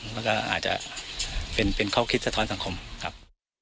แล้วก็อาจจะเป็นข้อคิดสะท้อนสังคมครับ